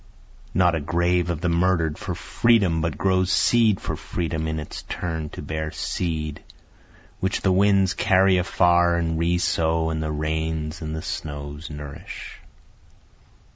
Not a grave of the murder'd for freedom but grows seed for freedom, in its turn to bear seed, Which the winds carry afar and re sow, and the rains and the snows nourish.